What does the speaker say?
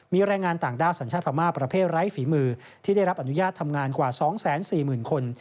มีแรงงานต่างด้าวสัญชาติพม่าประเภทไร้ฝีมือที่ได้รับอนุญาตทำงานกว่า๒๔๐๐๐คน